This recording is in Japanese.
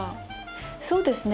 そうですね。